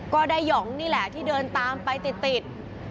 หยองนี่แหละที่เดินตามไปติด